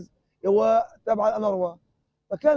saya menjaga mereka